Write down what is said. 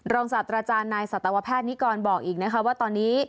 ศาสตราจารย์นายสัตวแพทย์นิกรบอกอีกนะคะว่าตอนนี้